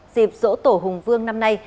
dịp dỗ tổ hùng vương năm nay